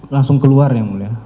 langsung keluar ya mulia